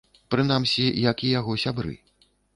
Прынамсі, як і яго сябры.